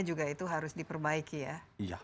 juga itu harus diperbaiki ya